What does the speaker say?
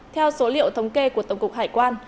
theo số liệu thống kê của tổng cục hải quan